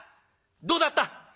「どうだった？」。